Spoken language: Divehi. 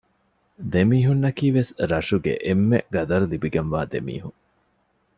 ދެ މީހުންނަކީވެސް ރަށުގެ އެންމެންގެ ޤަދަރު ލިބިގެންވާ ދެމީހުން